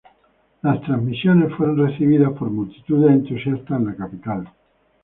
Las transmisiones fueron recibidas por multitudes entusiastas en la capital.